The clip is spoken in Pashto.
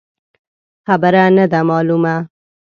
خبره نه ده مالونه.